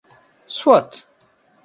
Soit !